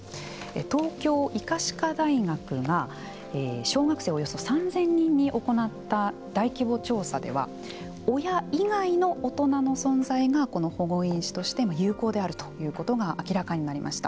東京医科歯科大学が小学生およそ３０００人に行った大規模調査では親以外の大人の存在がこの保護因子として有効であるということが明らかになりました。